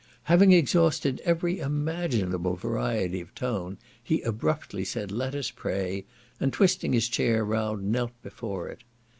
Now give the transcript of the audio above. Having exhausted every imaginable variety of tone, he abruptly said, "Let us pray," and twisting his chair round, knelt before it.